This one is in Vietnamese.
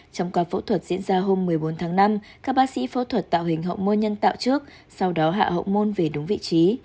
trong ca phẫu thuật diễn ra hôm một mươi bốn tháng năm các bác sĩ phẫu thuật tạo hình hậu mưa nhân tạo trước sau đó hạ hậu môn về đúng vị trí